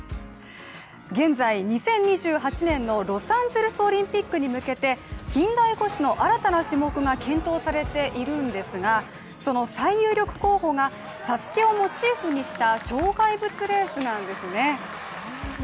現在、２０２８年のロサンゼルスオリンピックに向けて近代五種の新たな種目が検討されているんですが、その最有力候補が、「ＳＡＳＵＫＥ」をモチーフにした障害物レースなんですね。